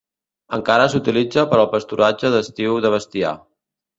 Encara s'utilitza per al pasturatge d'estiu de bestiar.